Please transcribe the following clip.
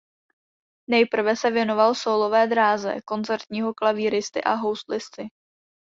Nejprve se věnoval sólové dráze koncertního klavíristy a houslisty.